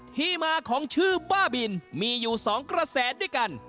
ที่มาของชื่อบ้าบินมีอยู่๒กระแสด้วยกัน